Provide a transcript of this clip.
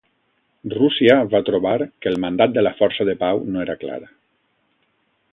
Rússia va trobar que el mandat de la força de pau no era clar.